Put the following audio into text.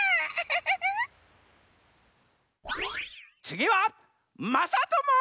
つぎはまさとも！